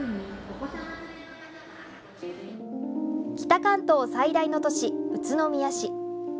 北関東最大の都市、宇都宮市。